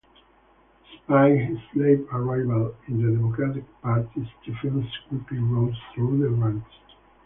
Despite his late arrival in the Democratic Party, Stephens quickly rose through the ranks.